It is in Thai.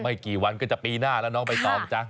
ไม่กี่วันก็จะปีหน้าแล้วน้องใบตองจ้ะ